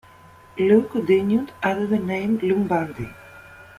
Lou continued under the name "Lou Bandy".